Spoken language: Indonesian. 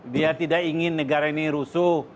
dia tidak ingin negara ini rusuh